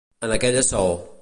En aquella saó.